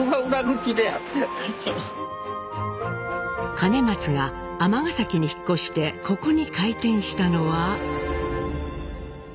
兼松が尼崎に引っ越してここに開店したのは。